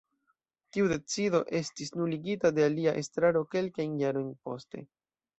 Tiu decido estis nuligita de alia estraro kelkajn jarojn poste.